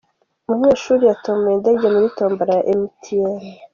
Umunyeshuri yatomboye indege muri tombora ya emutiyeni